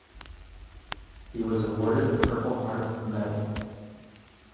He was awarded the Purple Heart Medal.